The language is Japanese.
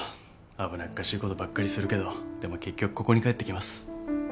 危なっかしいことばっかりするけどでも結局ここに帰ってきます。